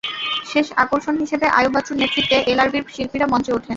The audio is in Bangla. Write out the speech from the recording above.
শেষ আকর্ষণ হিসেবে আইয়ুব বাচ্চুর নেতৃত্বে এলআরবির শিল্পীরা মঞ্চে ওঠেন।